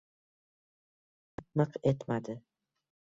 Yo‘lda miq etmadi.